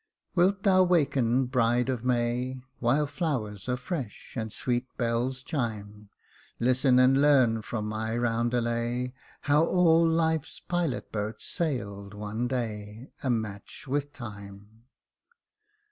" Wilt thou waken, bride of May, While flowers are fresh, and sweet bells chime, Listen and learn from my roundelay, How all life's pilot boats sailed one day A match with time!